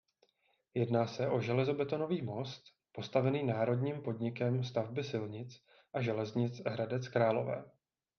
Jedná se o železobetonový most postavený národním podnikem Stavby silnic a železnic Hradec Králové.